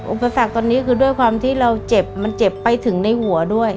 อุปสรรคตอนนี้คือด้วยความที่เราเจ็บมันเจ็บไปถึงในหัวด้วย